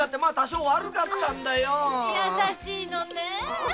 優しいのね。